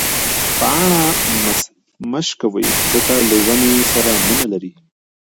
پاڼه مه شکوئ ځکه له ونې سره مینه لري.